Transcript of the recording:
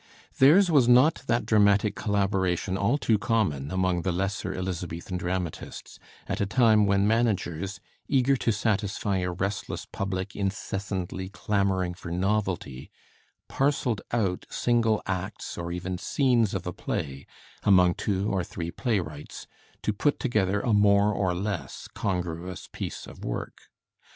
Theirs was not that dramatic collaboration all too common among the lesser Elizabethan dramatists, at a time when managers, eager to satisfy a restless public incessantly clamoring for novelty, parceled out single acts or even scenes of a play among two or three playwrights, to put together a more or less congruous piece of work.